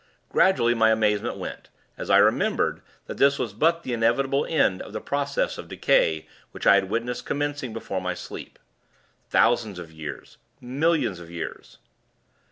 Gradually, my amazement went, as I remembered, that this was but the inevitable end of that process of decay, which I had witnessed commencing, before my sleep. Thousands of years! Millions of years!